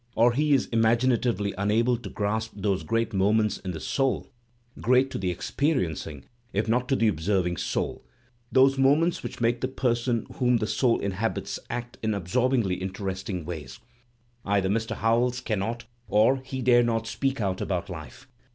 Or he is imaguiatively unable to grasp those great moments in the soul (great to the experiencing, if not to the observing, soul) — those moments which make the; person whom the soul inhabits act in absorbingly interesting ways. Either Mr. Howells cannot or he dare not speak out about life.